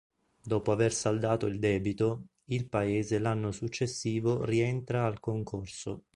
Dopo aver saldato il debito, il paese l'anno successivo rientra al concorso.